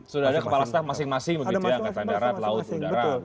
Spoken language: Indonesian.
sudah ada kepala staf masing masing begitu ya angkatan darat laut udara